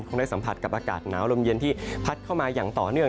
ได้สัมผัสกับอากาศหนาวลมเย็นที่พัดเข้ามาอย่างต่อเนื่อง